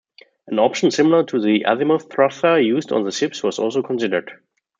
An option similar to the Azimuth thruster used on the ships was also considered.